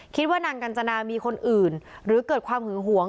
คิดว่านางกัญจนามีคนอื่นหรือเกิดความหึงหวง